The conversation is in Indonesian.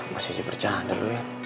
masih aja bercanda lo ya